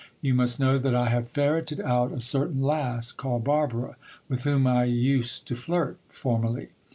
You must know that I have ferreted out a certain lass called Barbara, with whom I used to flirt formerly.